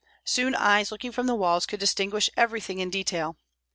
Soon eyes looking from the walls could distinguish everything in detail.